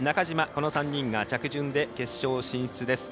この３人が着順で決勝進出です。